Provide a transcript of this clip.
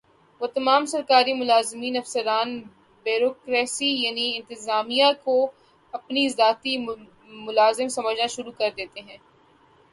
وہ تمام سرکاری ملازمین افسران بیورو کریسی یعنی انتظامیہ کو اپنا ذاتی ملازم سمجھنا شروع کر دیتے ہیں ۔